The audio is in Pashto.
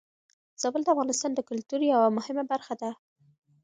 زابل د افغانستان د کلتور يوه مهمه برخه ده.